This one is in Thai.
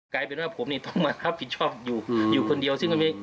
กลายเป็นว่าผมนี่ต้องมารับผิดชอบอยู่คนเดียว